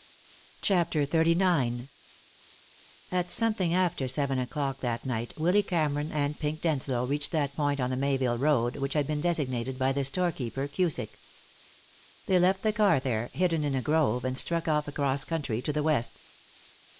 CHAPTER XXXIX At something after seven o'clock that night Willy Cameron and Pink Denslow reached that point on the Mayville Road which had been designated by the storekeeper, Cusick. They left the car there, hidden in a grove, and struck off across country to the west.